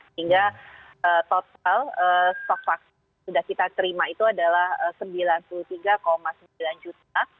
sehingga total stok vaksin sudah kita terima itu adalah sembilan puluh tiga sembilan juta